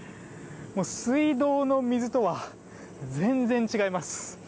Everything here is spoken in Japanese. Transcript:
水道の水とは全然違います。